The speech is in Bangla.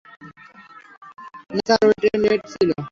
না স্যার, ওই ট্রেন লেট ছিলো।